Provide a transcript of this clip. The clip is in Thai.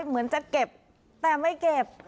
เหมือนจะเก็บแต่ไม่เก็บ